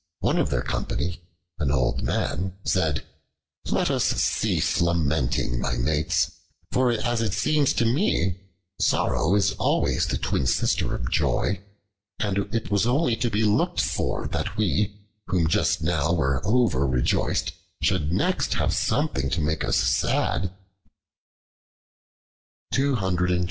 One of their company, an old man, said, "Let us cease lamenting, my mates, for, as it seems to me, sorrow is always the twin sister of joy; and it was only to be looked for that we, who just now were over rejoiced, should next have something to make us sad."